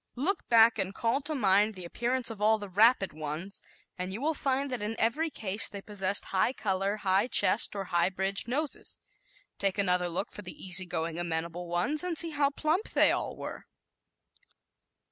Look back and call to mind the appearance of all the "rapid" ones and you will find that in every case they possessed high color, high chests or high bridged noses. Take another look for the easy going amenable ones, and see how plump they all were!